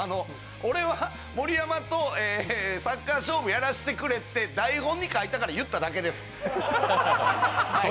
俺は盛山と、えー、サッカー勝負やらせてくれって、台本に書いてあったから言っただけです。